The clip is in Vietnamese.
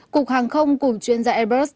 cục hàng không cùng chuyên gia airbus